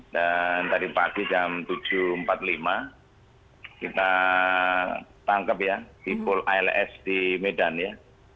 dan tadi pagi jam tujuh empat puluh lima kita tangkap ya di pol als di medan ya